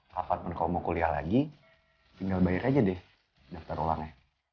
kapanpun kau mau kuliah lagi tinggal bayar aja deh daftar ulangnya